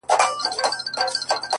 کندهار دی _ که کجرات دی _ که اعجاز دی _